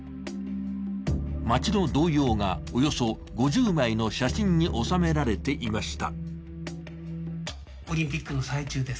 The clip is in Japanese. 町の動揺が、およそ５０枚の写真に収められていました。